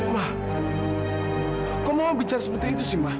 ma kok mama bicara seperti itu sih ma